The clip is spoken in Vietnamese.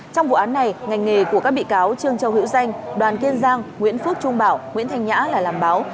trong vụ án này ngành nghề của các bị cáo trương châu hữu danh đoàn kiên giang nguyễn phước trung bảo nguyễn thanh nhã là làm báo